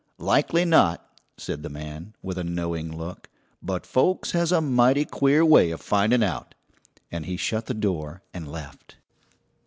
"Likely not!" said the man, with a knowing look, "but folks has a mighty queer way of findin' out," and he shut the door and left.